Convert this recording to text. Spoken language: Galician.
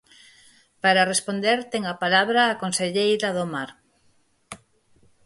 Para responder, ten a palabra a conselleira do Mar.